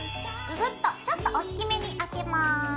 ググッとちょっとおっきめにあけます。